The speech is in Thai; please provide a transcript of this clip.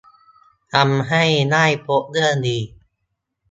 ทำให้ได้พบเรื่องดี